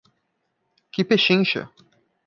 Que pechincha!